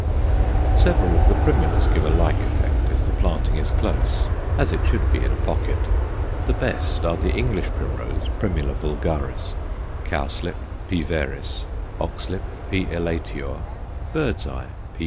Several of the primulas give a like effect if the planting is close as it should be in a pocket. The best are the English primrose (Primula vulgaris), cowslip (P. veris), oxlip (P. elatior), bird's eye (_P.